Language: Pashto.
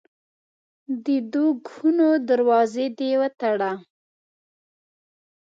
د دوږخونو دروازې دي وتړه.